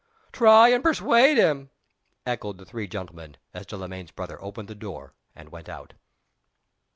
"Try and persuade him!" echoed the three gentlemen, as Delamayn's brother opened the door and went out.